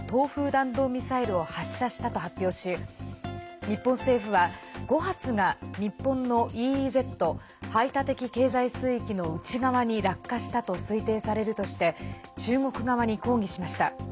弾道ミサイルを発射したと発表し日本政府は５発が日本のＥＥＺ＝排他的経済水域の内側に落下したと推定されるとして中国側に抗議しました。